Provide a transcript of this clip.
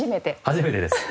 初めてです。